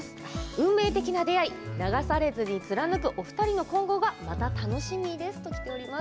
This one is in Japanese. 運命的に出会い流されずに貫くお二人の今後がまた楽しみです。